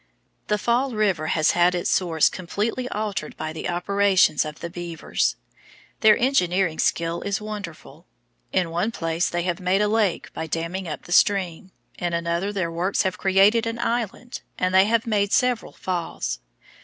The Fall River has had its source completely altered by the operations of the beavers. Their engineering skill is wonderful. In one place they have made a lake by damming up the stream; in another their works have created an island, and they have made several falls.